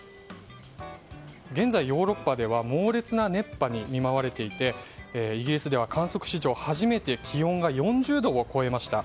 現在、ヨーロッパでは猛烈な熱波に見舞われていてイギリスでは観測史上初めて気温が４０度を超えました。